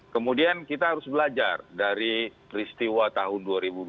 kemudian kita harus belajar dari peristiwa tahun dua ribu dua puluh